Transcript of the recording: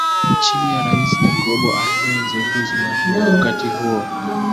Chini ya rais Jacobo Arbenzi Guzman wa wakati huo